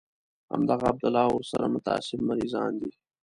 همدغه عبدالله او ورسره متعصب مريضان دي.